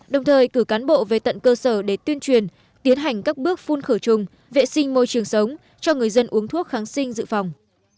đồng thời cử cán bộ về tận cơ sở để tuyên truyền tiến hành các bước phun khởi trùng vệ sinh môi trường sống cho người dân uống thuốc kháng sinh dự phòng